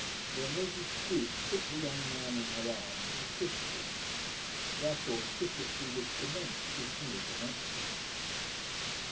Then Lady Scroope took the young man in her arms and kissed him. Thus auspiciously was commenced this new connexion.